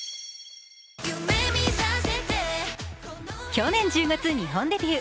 去年１０月、日本デビュー。